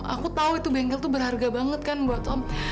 aku tahu itu bengkel itu berharga banget kan buat om